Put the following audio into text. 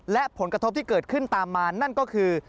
และผลกระทบที่เกิดขึ้นตามมานั่นก็คือ